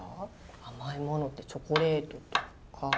甘いものってチョコレートとか以外でも。